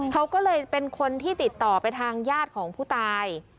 เขาก็เลยเป็นคนที่ติดต่อไปทางญาติของผู้ตาย